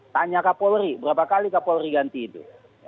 tanya kapolri berapa kali kapolri ganti itu